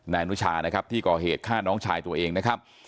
นายอนุชานะครับที่ก่อเหตุฆ่าน้องชายตัวเองนะครับ